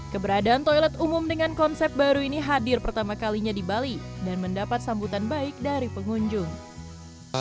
keberadaan toilet umum dengan konsep baru ini hadir pertama kalinya di bali dan mendapat sambutan baik dari pengunjung